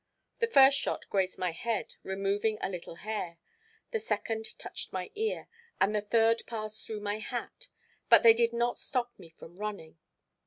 The first shot grazed my head, removing a little hair; the second touched my ear, and the third passed through my hat; but they did not stop me from running.